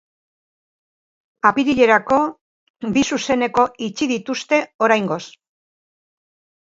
Apirilerako, bi zuzeneko itxi dituzte oraingoz.